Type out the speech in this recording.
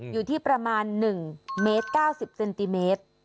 อยู่ที่ประมาณ๑เมตร๙๐เซนติเมตร